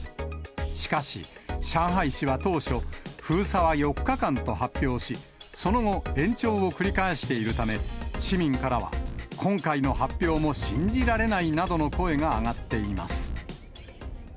しかし、上海市は当初、封鎖は４日間と発表し、その後、延長を繰り返しているため、市民からは今回の発表も信じられないなどの声が上がっています。